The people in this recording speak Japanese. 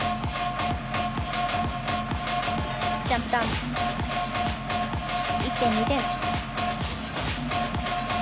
ジャンプターン、１．２点。